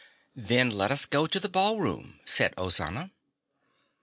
"Then let us go to the ballroom," said Ozana.